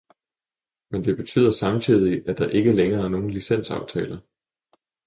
men det betyder samtidig at der ikke længere er nogen licensaftaler